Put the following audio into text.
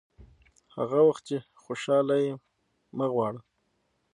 هغه وخت چې خوشاله یې مه غواړه.